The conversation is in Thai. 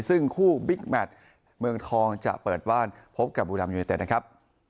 ซึ่งคู่บิ๊กแมทเมืองทองจะเปิดบ้านพบกับบุรีรัมยูเนเต็ดนะครับ